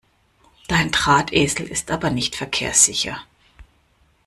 Dein Drahtesel ist aber nicht verkehrssicher!